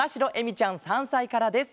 ちゃん３さいからです。